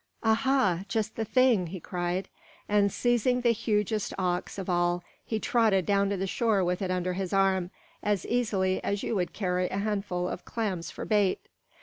"Aha! just the thing!" he cried; and seizing the hugest ox of all, he trotted down to the shore with it under his arm, as easily as you would carry a handful of clams for bait.